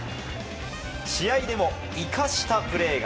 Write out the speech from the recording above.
試合でもイカしたプレーが。